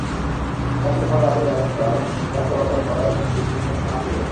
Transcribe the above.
কাজ শেষ হওয়ার আগেই রাস্তায় ট্রাক চলাচল করায় বিভিন্ন স্থান দেবে গেছে।